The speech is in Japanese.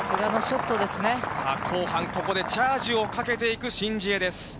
後半、ここでチャージをかけていくシン・ジエです。